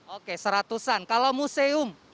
oke seratus an kalau museum